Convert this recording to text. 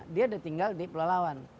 dia ada tinggal di pelawan